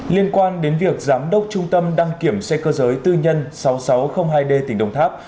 liên quan đến việc giám đốc trung tâm đăng kiểm xe cơ giới tư nhân sáu nghìn sáu trăm linh hai d tỉnh đồng tháp